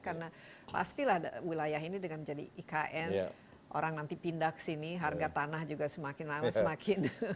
karena pastilah wilayah ini dengan menjadi ikn orang nanti pindah ke sini harga tanah juga semakin lama semakin